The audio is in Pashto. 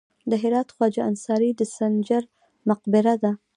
د هرات خواجه انصاري د سنجر مقبره ده